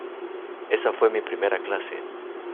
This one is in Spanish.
Esa fue mi primera clase.